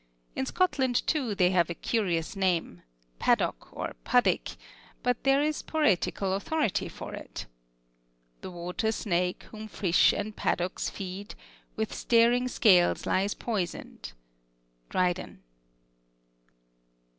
In Scotland, too, they have a curious name, Paddock or Puddick; but there is poetical authority for it: "The water snake whom fish and paddocks feed, With staring scales lies poisoned." DRYDEN.